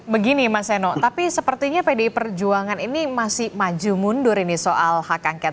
begini mas seno tapi sepertinya pdi perjuangan ini masih maju mundur ini soal hak angket